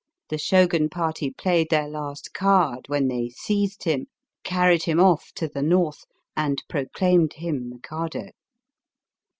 The Shogan party played their last card when they seized him, carried him off to the North, and proclaimed him Mikado.